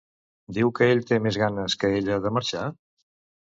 Diu que ell té més ganes que ella de marxar?